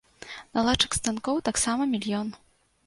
Наладчык станкоў таксама мільён.